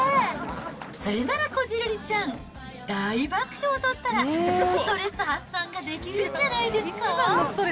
それならこじるりちゃん、大爆笑を取ったら、ストレス発散ができるんじゃないですか。